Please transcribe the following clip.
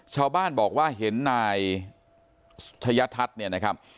ชาวบ้านบอกว่าเห็นนายธยทัศน์เนี่ยนะครับ